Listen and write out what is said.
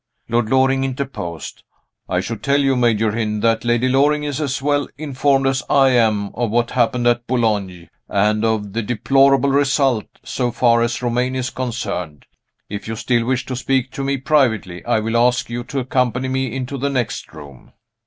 Lord Loring interposed. "I should tell you, Major Hynd, that Lady Loring is as well informed as I am of what happened at Boulogne, and of the deplorable result, so far as Romayne is concerned. If you still wish to speak to me privately, I will ask you to accompany me into the next room."